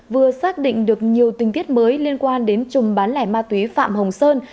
vừa xác định được nhiều tinh tiết mới liên quan đến trùm bán lẻ ma túy phạm hồng sơn